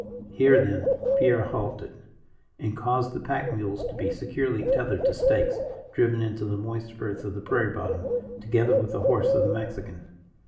Here, then, Pierre halted, and caused the pack mules to be securely tethered to stakes driven into the moist earth of the prairie bottom, together with the horse of the Mexican.